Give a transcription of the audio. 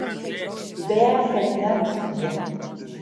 Be èm veterans ja!.